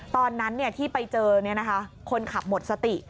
ตอนนั้นที่ไปเจอคนขับหมดสติ